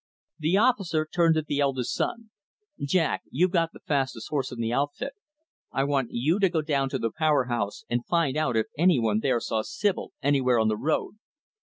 The officer turned to the eldest son, "Jack, you've got the fastest horse in the outfit. I want you to go down to the Power House and find out if any one there saw Sibyl anywhere on the road.